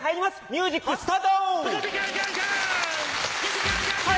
ミュージックスタート！は？